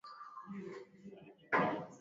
uhamiaji huu unaonyeshwa katika filamu nyingi sana